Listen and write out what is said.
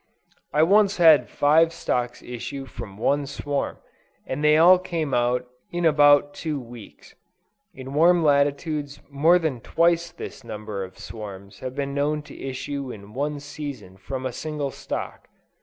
I once had five stocks issue from one swarm, and they all came out in about two weeks. In warm latitudes more than twice this number of swarms have been known to issue in one season from a single stock.